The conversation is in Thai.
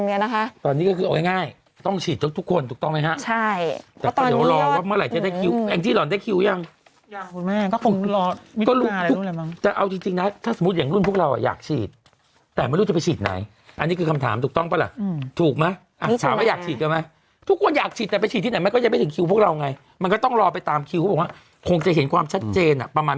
แม่งก็คงรอวิธุนาหรืออะไรบ้างแต่เอาจริงจริงนะถ้าสมมุติอย่างรุ่นพวกเราอ่ะอยากฉีดแต่ไม่รู้จะไปฉีดไหนอันนี้คือคำถามถูกต้องเปล่าล่ะอืมถูกมั้ยอันสารว่าอยากฉีดกันไหมทุกคนอยากฉีดแต่ไปฉีดที่ไหนมันก็ยังไม่ถึงคิวพวกเราไงมันก็ต้องรอไปตามคิวเขาบอกว่าคงจะเห็นความชัดเจนอ่ะประมาณ